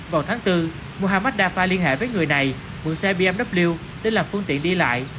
vào tháng bốn muhammad dafar liên hệ với người này mượn xe bmw để làm phương tiện đi lại